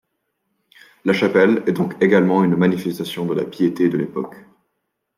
La chapelle est donc également une manifestation de la piété de l'époque.